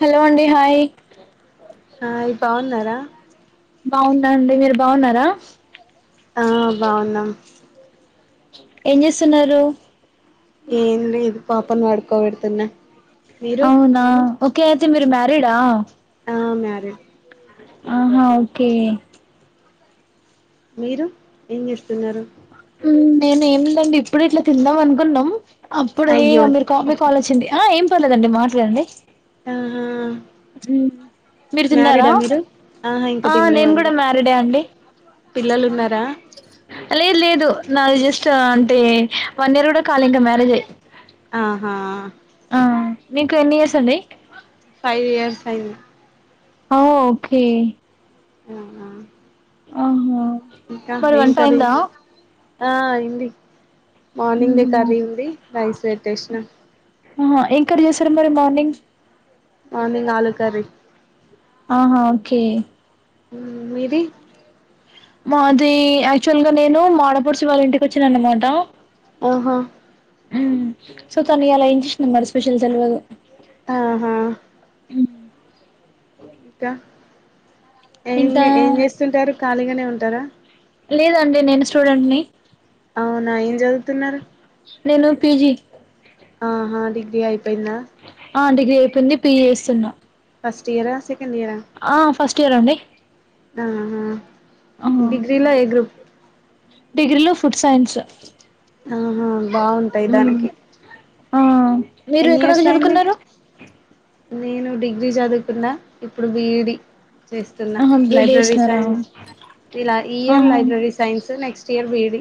Hello అండి hi hi బాన్నారా బావున్నా అండి మీరు బావున్నారా ఆ బావున్నాం ఏం జెస్తున్నారు ఏమ్ లేదు పాపను పడుకోబెడుతున్నా మీరు అవునా ఓకే అయితే మీరు మ్యారిడా ఆ మ్యారిడ్ ఆహా ఒకే మీరు ఏం జెస్తున్నారు ఉమ్ నేనే ఏమి లేండి ఇప్పుడు ఇట్లా తిందాం అనుకున్నాం అప్పుడు అయ్యో ఇగ మీరు మీ కాల్ వొచ్చింది ఆ ఏం పర్లేదండి మాట్లాడండి ఆహా మ్మ్. మీరు తిన్నారా మ్యారీడా మీరు ఆహా ఇంకా ఆ నేను కూడా తిండ్లేదండి మ్యారీడే అండి పిల్లలు ఉన్నారా లేదు లేదు నాది జస్ట్ అంటే వన్ ఇయర్ గూడా కాళా ఇంకా మ్యారేజ్ అయ్ ఆహా ఆ నీకు ఎన్ని ఇయర్స్ అండి ఫైవ్ ఇయర్సైంది ఆ ఓకే అవునా అవునా మరి వంట కర్రీ అయిందా ఆ అయింది మార్నింగ్ దె మ్మ్హ్మ్. కర్రీ ఉంది రైస్ పెట్టేషిన ఆహ ఏం కర్రీ జెశారు మరి మార్నింగ్ మార్నింగ్ ఆలూ కర్రీ ఆహ ఓకే మ్ మీది మాది యాక్చువల్ గా నేను మాఆడపడుచు వాళ్ళ ఇంటికి వచ్చినాను అనమాట ఆహ ఉహ్ సో తన ఎలా ఇం ఇమ్ మ స్పెషల్ తెల్వ ఆహ ఇక ఏం ఇంకా ఏం చేస్తుంటారు ఖాళీగానే ఉంటారా లేదండి నేను స్టూడెంట్ ని అవునా ఏం చదువుతున్నారు నేను పీజి ఆహ డిగ్రీ అయిపోయిందా ఆ డిగ్రీ అయిపోయింది పిజి చేస్తున్నా ఫస్ట్ ఇయరా సెకండ్ ఇయరా ఆ ఫస్ట్ ఇయర్ అండి ఆహ ఆ డిగ్రీలా ఏ గ్రూప్ డిగ్రీలో ఫుడ్ సైన్స్ ఆహ బాగుంటాయి మ్మ్ దానికి ఆ మీరు ఎన్ని ఇయర్స్ ఎక్కడవరకు అయింది చదువుకున్నారు నేను డిగ్రీ చదువుకున్న ఇప్పుడు బిఈడి చేస్తున్న ఆహా బీడీ లైబ్రెరీ చేసినారా సైన్స్ ఇలా ఈ ఇయర్ ఆహా లైబ్రెరీ సైన్స్ నెక్స్ట్ ఇయర్ బిడి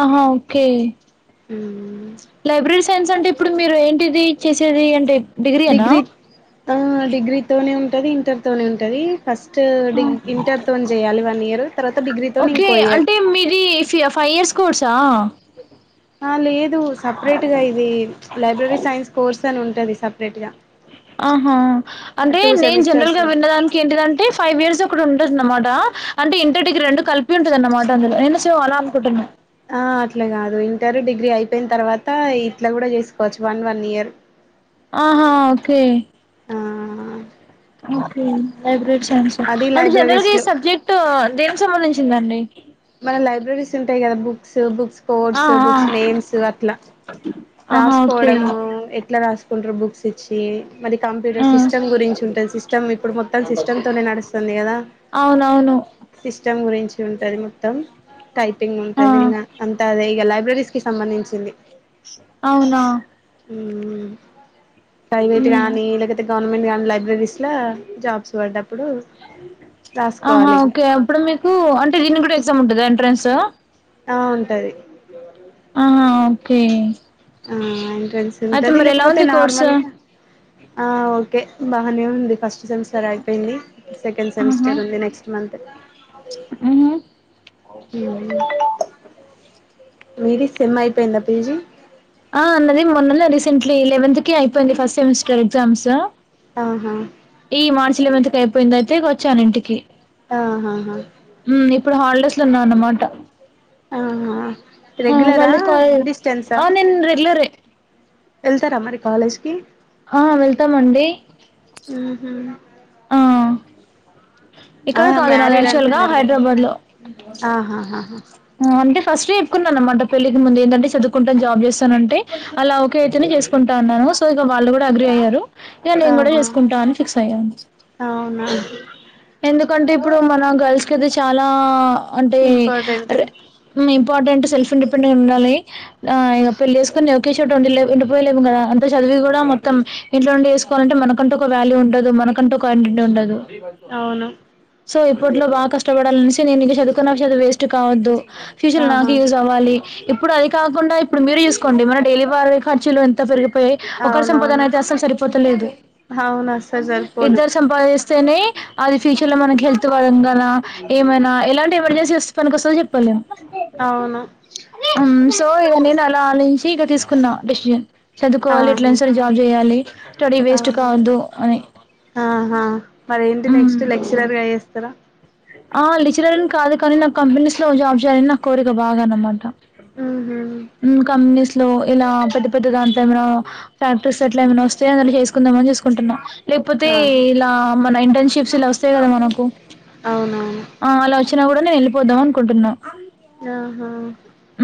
ఆహ ఓకే ఉమ్ లైబ్రెరీ సైన్స్ అంటే ఇప్పుడు మీరు ఏంటిది చేసేది అంటే డిగ్రీ ఎనా ఆ డిగ్రీతోనే ఉంటుంది ఇంటర్ తోనే ఉంటుది ఫస్ట్ డిగీ ఇంటర్ తోనె చేయాలి వన్ ఇయర్ తర్వాత డిగ్రీతోనె ఇంకో ఇయర్ ఇసియా ఫై ఇయర్స్ కోర్సా ఆ లేదు సప్రేట్గా ఇది లైబ్రెరీ సైన్స్ కోర్స్ అని ఉంటది సప్రేట్ గా ఆహా అంటే టూ నేను జన్రల్ సెమిస్టర్స్ గా ఉంటాయి విన్నడాానికి ఏంటిదంటే ఫైవ్ ఇయర్స్ ఒక ఉండ ట అన్నమాట అంటే ఇంటడికి రెండు కలిపి ఉంటంది అన్నమాట అందులో నేను సో అలా అనుకుంటున్నాను ఆ అట్ల గాదు ఇంటర్ డిగ్రీ అయిపోయిన తర్వాత ఇట్లా కూడా చేసుకోవచ్చు వన్ వన్ ఇయర్ ఆహా ఓకె ఆ ఓకే లైబ్రరీ సైన్స్ అది అంటే జెన్రల్ లైబ్రరీస్ గా ఈ లో సబ్జెక్ట్ దేనికి సంబంధించిందండి మన లైబ్రెరీస్ ఉంటాయి కదా బుక్స్ బుక్స్ ఆ కోడ్స్ ఆ బుక్స్ నేమ్స్ అట్ల ఆహా ఓకే రాసుకోవడము ఎట్ల రాసుకుంటారు బుక్స్ ఇచ్చి మది ఆ కంప్యూటర్ సిస్టమ్ గురించి ఉంటుంది సిస్టమ్ ఇప్పుడు మొత్తం సిస్టమ్ తోనే నడుస్తుంది గదా అవునవును సిస్టమ్ గురించి ఉంటది మొత్తం టైపింగ్ ఆ ఉంటంది ఇంగ అంతె అదే ఇక లైబ్రరీస్ కి సంబంధించింది అవునా ఉమ్ ఫైవ్ ఐట్ గానీ లేకతే గవర్మెంట్ లైబ్రెరీస్ లా జాబ్స్ పడ్డ ఆహా ఓకే అప్పుడు మీకూ అంటే దీన్ని కూడా ఎగ్జామ్ ఉంటుంది ఎంట్రన్స్ ఆ ఉంటది ఆహ ఓకే ఆ ఎంట్రన్స్ అయితే ఉంటది మరి ఎలా లేకపోతే ఉంది కోర్సు నార్మల్గా ఆ ఓకే బాగనే ఉంది ఫస్ట్ సెమిస్టర్ అయిపోయింది సెకెండ్ ఆహా సెమిస్టర్ ఉంది నెక్స్ట్ మంత్ [unintelligible] మీరి సిమ్ అయిపోయిందా పీజీ ఆ అన్నది మొన్నలో రీసెంట్లీ లెవెంత్ కి అయిపోయింది ఫస్ట్ సెమిస్టర్ ఎగ్జామ్స్ ఆహా ఈ మార్చ్ ఎలివిత అయిపోయింది అయితే వచ్చాను ఇంటికి ఆహాహా మ్మ్ ఇప్పుడు హాలిడేస్ లో ఉన్నా అన్నమాట ఆ ఆ రెగ్యులరా మళ్ళీ కాల్ డిస్టెన్సా ఆ నేను రెగ్యులరే ఎళ్తారా మరి కాలేజ్కి ఆ వెళ్తామండి ఉహు ఆ ఇక్కడ ఆహా కాదు నా మ్యారీడ్ యాక్చువల్ గా అంటున్నారు కదా హైదరాబాద్ లో ఆహాహాహా అంటే ఫస్ట్ చెప్పుకున్నాను. అన్నమాట పెళ్ళికి ముందే ఏంటంటే, చదువుకుంటా, జాబ్ చేస్తానంటే, అలా ఒకె అయితేనే చేసు కుంటాన్నాను సో ఇగ వాళ్ళు కూడా అగ్రి అయ్యారు. ఇగ నేను కూడా ఆహా చేసుకుంటా అని ఫిక్స్ అయ్యాను అవునా ఎందుక్ అంటే ఇప్పుడు మన గర్ల్స్ కి అయితే చాలా అంటే ఇంపార్టెంట్ రె మీ ఇంపార్టెట్ సెల్ఫ్ ఇండిపెండ్ అయి ఉండాలి. ఆ ఇగ పెళ్లి చేసుకుని ఒకే చోటా ఉండలేం. ఉండిపోలేం కదా అంట చదు ఇవి కూడా మొత్తం ఇంట్లో నుండి ఏసుకోవాలంటే, మనకంటూ ఒక వ్యాల్యూ ఉండదు. మనకంటూ ఒక అంటి ఉండదు. అవును సో ఇప్పట్లో బాగా కష్టపడాలనేసి నేను ఇగ చదువుకున్నా చదువ్ వేస్ట్ కావద్దు. ఫ్యూచర్ ఆహా నాకు యూజ్ అవ్వాలి. ఇప్పుడు అది కాకుండా ఇప్పుడు మీరు చూసుకోండి. మన డైలివారీ ఖర్చులు ఎంత పెరి పే ఒకరి సంపాదన అవునవును అయితే అస్సలు సరిపోతలేదు. అవును అస్సలు సరిపోదు ఇద్దరు సంపాదిస్ స్తేనే అదిఫిష్ ఇలా మనకి హెల్త్ పరంగా ఏమనా ఎలాంటి ఎమర్జెన్సీ వస్తే పనికి వస్తుందో చెప్పాలేం. అవును సో ఇగ నేను అలా ఆలోంచి ఇక తీసుకున్నా డెసిజన్ చదువుకోవాలి ఆహా ఎట్లైనా సరే జాబ్ చేయాలి. స్టడీ వేస్ట్ ఆహా కావద్దు అని ఆహా మరేంటి నెక్స్ట్ హ్మ్. లెక్చరర్గా ఎస్ ఆ లెచ్ రర్ని కాదు కానీ నాకు కంపెనీస్ లో జాబ్ చేయాలని నా కోరిక బాగా అన్నమాట. ఉహు ఉమ్ కంపెనీస్ లో ఇలా పెద్ద పెద్ద దాంట్లో ఏమనా, ఫ్యాక్టరీస్ అట్ల ఏమ్నా వస్తే, అందులో చేసుకుందామని చూసుకుంటున్నా. లేకపోతే ఆహా ఇలా మన ఇంటర్న్షిప్స్ ఇలా వస్తాయి కదా మనకు అవునవును నే వెళ్ళిపోదాం అనుకుంటున్ ఆహా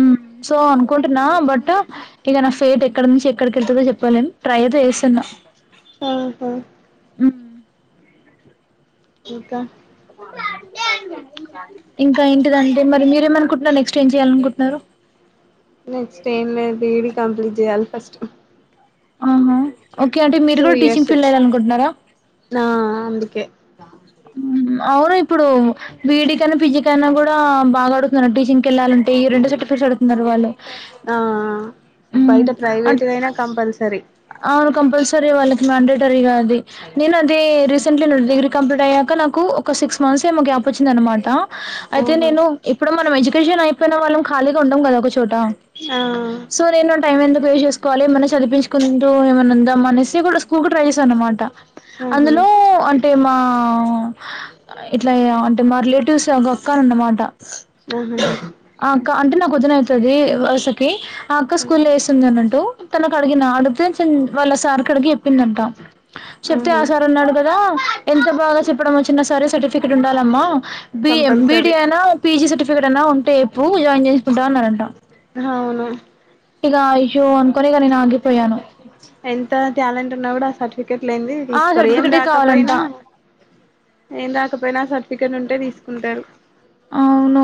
ఉమ్ సో అనుకుంటున్నా బట్ ఇగ నా ఫేట్ ఎ ఎక్కడ నుంచి ఎక్కడికి వెళ్తదో చెప్పలేం. ట్రై అయితే చేస్తున్నా ఆహా హ్మ్ ఇంక ఇంకా ఏంటిదంటే మరి మీరేమనుకుంటున్నారు. నెక్స్ట్ ఏం చేయాలి అనుకుంటున్నారు. నెక్స్ట్ ఏం లేద్ డిగ్రీ కంప్లీట్ చెయ్యాలి ఫస్ట్ ఆహా ఓకే అంటే మీరు టూ కూడా టీచింగ్ ఇయర్స్ ఫీల్డ్ వెళ్లాలి అనుకుంటున్నారా. ఆ అందుకే అవును ఇప్పుడు బిఈడీ కనా పిజీ కనా కూడా బాగా అడుగుతున్నారు టీచింగ్ కెళ్ళాలంటే ఈ రెండు సర్టిఫికెట్స్ అడుగుతున్నారు వాళ్లు ఆ బయట ప్రైవేట్ అట్ గ అయినా కంపల్సరీ అవును కంపల్సరీ వాళ్ళకి మాండేటరీగా అది నేను అది రీసెంట్లీ డిగ్రీ కంప్లీట్ అయ్యాక నాక్ కు ఒక సిక్స్ మంత్స్ ఏమో గ్యాప్ వచ్చింది. అనమాట అయితే ఆహా నేను ఇప్పుడు మనం ఎడ్యుకేషన్ అయిపోయిన వాళ్ళం ఖాళీగా ఉండం కదా చోట ఆ సో నేను టైం ఎంత పే చేసుకోవాలి మన చదిపించు ఉందో ఏమన్నా ఉందాఅనేసి స్కూల్ కు ట్రై చేసాను అనమాట ఆహా అందులో అంటే మా ఆ ఇట్లా అంటే మా రిలేటివ్స్ ఒగ అక్క ఉన్నమాట అహా ఆ అక్క అంటే నాకు వదిన అయితది. వరుసకి ఆ అక్క స్కూల్ వేస్తుంది అన్నట్టు తనకు అడిగిన ఆడితే వాళ్ళ సార్ కడిగి చెప్పిందంటా చెప్తే ఆ ఆహా సార్ అన్నాడు గాద. ఎంత బాగా చెప్పడం వచ్చిన సరే సర్టిఫికెట్ ఉండాలమ్మా. బీ. ఏ. బిడీ కంపల్సరీ అయినా, పి. జి సర్టిఫికేట్ అయినా ఉంటే ఎప్పు జాయిన్ చేసుకుంటా. అన్నాడంట. అవునా ఇగా ఆ ఇష్యూ అనుకునే ఇగ నేను ఆగిపోయాను. ఎంత టాలెంట్ ఉన్నా గూడా. ఆ సర్టిఫికెట్ లేంది. ఆ తీసుకోరు ఏం సర్టిఫికెటే కావాలంట రాకపోయినా ఏం రాకపోయినా. ఆ సర్ట్ ఫికెన్ ఉంటే తీసుకుంటారు. అవును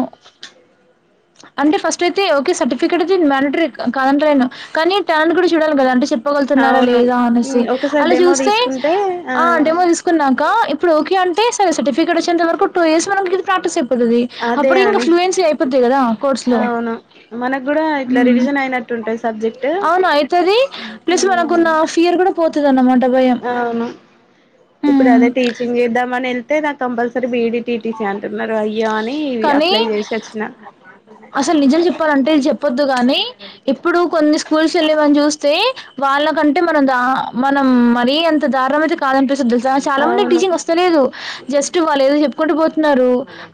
అంటే ఫస్ట్ అయితే ఓకే సర్టిఫికేట్ అయితే మ్యడేట్రి కాదంటలేను. కానీ టాలెంట్ గూడా చూడాల గదంటే చెప్ గలుతున్నారా అవును లేదా అనేసి. ఒకసారి అలా డెమో చూస్తే తీసుకుంటే ఆ డేమో తీసుకున్నాక. ఇప్పుడ్ ఓకే అంటే. స సర్టిఫికేట్ వచ్చేంత వరకు టూ ఇయర్స్ మనం ఇది ప్రాక్టీస్ అయిపోతది. అదే అప్పుడు ఇంగా అని ఫ్లూయన్సీ అయిపోద్ ది కదా కోర్స్ లో అవును మనకు కూడా ఇట్లా రివిజన్ అయినట్టుంటది సబ్జెక్ట్ అవును అయితది. ప్లస్ మనకున్న ఫియర్ కూడా పోత్ అవును ఇప్పుడు ఉమ్. అదే టీచింగ్ చేద్దామని ఏళ్తే నాకు compulsory B, E. D T. T. C అంటున్నారు. అయ్యో అని ఇది కానీ అప్లై చేసోచ్చిన. చెపోద్దు కానీ. ఇప్పుడు కొన్ని స్కూల్స్ ఎల్లిగాని చూస్తే. వాళ్ళకంటే మనం దా మన మరీ అంత దారుణమయితే కాదనిపిస్తద్ తెల్సా చాలా మంది అవును టీచింగ్ వస్తేలేదు. జస్ట్ వాళ్ళు ఏదో చెప్ కుంటు పోతున్నారు.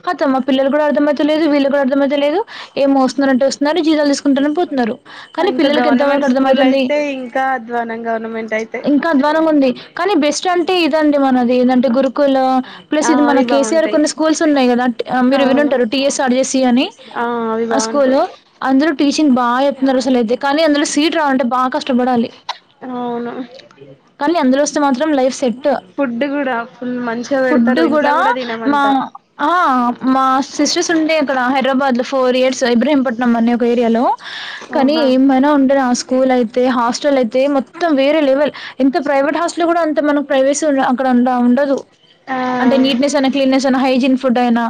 కథం మా పిల్లలు కూడా అర్థమయితలేదు. వీళ్ళు కూడా అర్థమయితేలేదు, ఏమో వస్తునారంటే వస్తున్నారు. జీతలు తీసుకుంటానే పోతున్నారు. కానీ ఇంకా పిల్లలకి ఎంత వరకు గవర్నమెంట్ స్కూల్ అర్థమయితుంది. అయితే ఇంకా అధ్వానం గవర్నమెంట్ అయితే ఇంకా అద్వానంగా ఉంది. కానీ బెస్ట్ అంటే ఇదండి. మనది ఏదంటే గురుకుల ప్లస్ ఆ ఇది మన అవి కే. సీ. ఆర్ బాగుంటాయి కొన్ని స్కూల్స్ ఉన్నాయి కదా. మీరు అవును వినుంటారు టీ. ఎస్. ఆర్ట్ చేసి అని ఆ అవి ఆ బాగుంటాయి స్కూల్లో అందరూ టీచింగ్ బాగా చెప్తున్నారసలు అయితే కానీ. అందులో సీట్ రావాలంటే బాగా కష్టపడాలి. అవును కానీ అందులో వస్తే మాత్రం లైఫ్ సెట్ ఫుడ్ గూడా ఫుల్ మంచిగా ఫుడ్ పెడతారు. ఇంట్ల కూడా గూడా ది మా ఆ మా హస్ట్ సిస్టర్స్ ఉండే. అక్కడ హైదరాబాద్లో ఫోర్ ఇయర్స్ ఇబ్రహీంపట్నం అనే ఒక ఏరియాలో. కానీ ఓహా ఏమైనా ఉండేనా ఆ స్కూల్ అయితే, హాస్టల్ అయితే మొత్తం వేరే లెవెల్. ఏంత ప్రైవేట్ హాస్టల్ గూడా అంత మన ప్రైవేసీ ఉన్ అక్కడ అండ ఉండదు. ఆ అంటే నీట్నెస్ అనే హైజిన్ ఫుడ్ అయినా,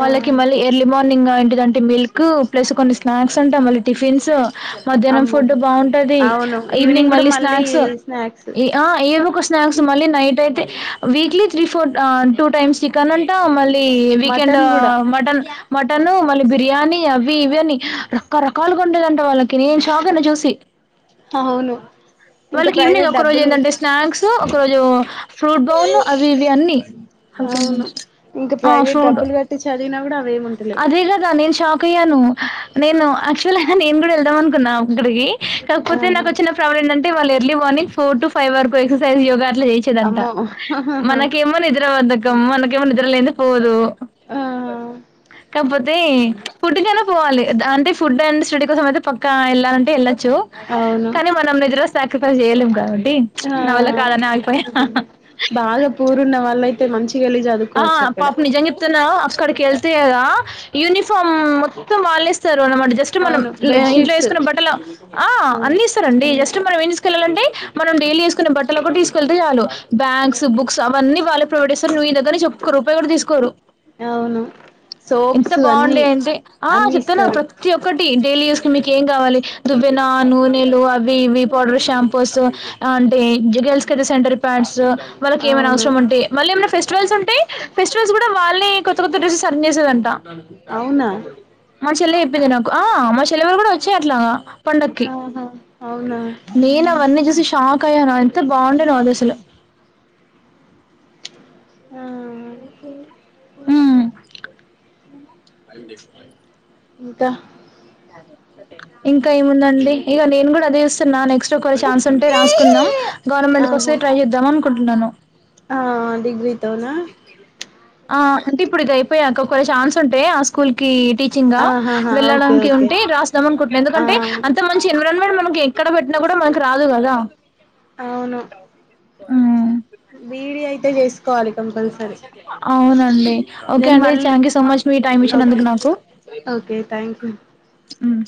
వాళ్లకి మళ్ళీ ఎర్లీ మార్ లింగా ఏంటిదాంటే మిల్క్ ప్లస్ కొన్ని స్నాక్స్ అంటా. మళ్ళీ టిఫిన్స్. మధ్యాహ్నం అమ్మో ఫుడ్ బాగుంటది, అవును ఈవినింగ్ కూడా మళ్ళీ స్నాక్స్, స్నాక్స్ ఆ ఏమోక స్నా స్నాక్స్ మళ్ళీ నైట్ అయితే. వీక్లీ త్రీ ఫోర్ ఆ టూ టైమ్స్ చికెన్ అంటా మళ్ వీకెండో మటన్ కూడా మటన్ మటను మళ్ళీ బిర్యానీ అవి ఇవి అన్నీ రకరకాలుగా వండేదంటా. వాళ్ళకి నేను షాక్ అయిన చూసి అవును ఇంకా వాళ్ళకి ఈవినింగ్ ప్రైవేట్ ఒక రోజు డబ్బులు ఏంటంటే స్నాక్స్, ఒక రోజు ఫ్రూట్ బౌల్, అవి ఇవి అన్నీ. ఒక అవును నిమ్షాం ఇంకా ఆ ప్రైవేట్ ఫ్రూట్ డబ్బులు కట్టి చదివినా కూడా అవేమి ఉంటలేవు అదే కదా నేను షాక్ అయ్యాను. నేను యాక్చువల్గా నేను కూడా వెళ్దాం అనుకున్నా. అక్కడిగీ కాకపోతే ఆహా నాకోచ్చిన ప్రాబ్లమ్ ఏంటంటే వాళ్ళు early morning four to five వరకు ఎక్సై, యోగ ఇట్లా చేసేదంటా. అమ్మో మనకేమో నిద్ర బద్దకం మనకేమో నిద్ర లేని పోదు. నాక్ ఆ తెల్వదు బస్కె కాపోతే ఫుడ్ కైనా పోవాలి. ద అంటే ఫుడ్ అండ్ స్విటి కోసం అయితే. పక్క ఎళ్ళాలంటే ఎళ్ళ చ్చు. అవును కానీ మనం నిదరా సాక్రిఫైస్ చెయ్యలేం గా తీన్ ఆ నా వల్ల కాదనాగిపోయ. ఆహా హా బాగా పూరున్న వాళ్ళయితే మంచిగా వెళ్ళి ఆ చదువుకోవచ్చు అక్కడ పాపం నిజం చెప్తున్నా ఆ అక్కడ కెళ్తే గాదా యూనిఫామ్ మొత్తం. వాళ్లేస్ స్తరన్నమాట. జస్ట్ మనం అవును లే ఇంట్లో బెడ్షీట్స్ ఏసుకున్న బట్టల. ఆ అన్ని ఇస్తారండి. జస్ట్ అన్ని మనం ఎంతీస్కెళ్ళాలంటే. మనం డైలీ ఏసుకునే బట్టలోక్కట్ తీసుకెళ్తే చాలు. Bags, books. అవ్ అన్ని వాళ్ళే ప్రొవైడ్ జేస్తరు నువ్ నీ దగ్గర్నుంచి ఒక్క రూపాయ్ గూడ తీసుకోరు. అవును ఎంత సోప్స్ అన్ని బాగుండయంటే ఆ అన్ని చెప్తున్నా ఇస్తారు ప్రతి ఒక్కట్ డైలీ యూస్ కి మీకేం గావాలి దువ్వెనా, నూనెలు అవి ఇవి పౌడర్ షాంపొస్ టే గర్ల్కైతే సానిటరీ ప్యాడ్స్ వాళ్ళకేమన్న అవును అవసరముంటే మల్లేమైనా ఫెస్ స్టివల్స్ ఫెస్టివల్స్ గూడా వాళ్ళే కొత్త కొత్త డ్రెస్సెస్ అన్నేసేదంటా అవునా మా చెల్లె చెప్పింది నాకు, ఆ మా చెల్లెల్లోల్గుడ వచ్చాయట్లాగా పండక్కి ఆహా అవునా నేను అవన్నీ జూసి షాక్ అయ్యాను ఎంత బాగుండేనో అదసలు ఆ ఆ ఇంకా ఇంక ఏముందండి ఇగ నేను గూడ అదే జూస్తున్నా నెక్స్ట్ కొ ఛాన్స్ ఉంటే రాసుకుందాం గవర్నమెంట్ కొస్తే ఆహా ట్రై చేద్దాం అనుకుంటున్నాను ఆ డిగ్రీతోనా ఆ అంటే ఇప్పుడు ఇదయిపోయాక ఒకవేళ ఛాన్స్ ఉంటె ఆ స్కూల్ కి టీచింగా? ఆహాహా ఓకే వెళ్ళడానికి ఓకే ఉంటే రాస్దం అనుకుంటున్న ఆ ఎందుకంటే అంత మంచి ఎన్విరాన్ క్కడ మనకి ఎక్కడ పెట్టినా కూడ మనకి రాదు కదా అవును ఉమ్ బీ ఈ డి అయితే చేసుకోవాలి కంపల్సరీ అవునండి ఓకే నేను అండి మళ్ళీ థ్యాంక్ యూ సో మచ్ మీ టైమ్ ఓకే ఇచ్చినందుకు నాకు ఓకే థ్యాంక్ యూ ఉమ్